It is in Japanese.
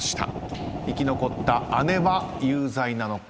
生き残った姉は有罪なのか？